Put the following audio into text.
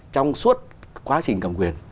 trong suốt quá trình cầm quyền